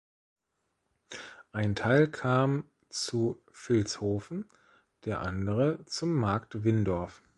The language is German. Ein Teil kam zu Vilshofen, der andere zum Markt Windorf.